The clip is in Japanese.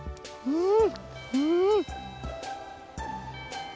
うん！